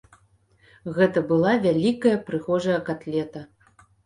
Гэта была вялікая прыгожая катлета.